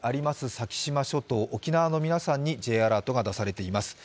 先島諸島沖縄の皆さんにＪアラートが出されています。